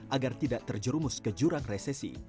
agar tidak terjerumus ke jurang resesi